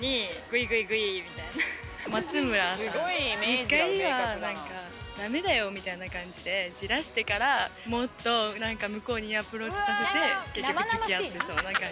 １回はだめだよみたいな感じでじらしてから、もっと、なんか向こうにアプローチさせて、結局、つきあってそう。